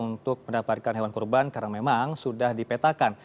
untuk mendapatkan hewan kurban karena memang sudah dipetakan